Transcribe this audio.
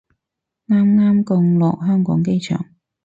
啱啱降落香港機場